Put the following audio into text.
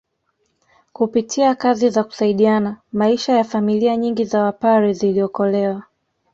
Kupitia kazi za kusaidiana maisha ya familia nyingi za Wapare ziliokolewa